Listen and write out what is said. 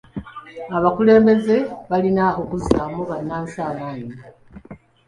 Abakulembeze balina okuzzamu bannansi amaanyi.